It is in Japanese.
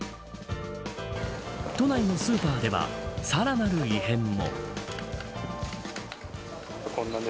都内のスーパーではさらなる異変も。